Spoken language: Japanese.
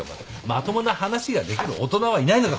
まともな話ができる大人はいないのか？